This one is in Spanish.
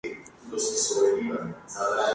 Inmediatamente pasó el rey a Aragón.